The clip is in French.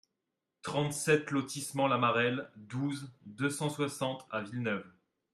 trente-sept lotissement La Marelle, douze, deux cent soixante à Villeneuve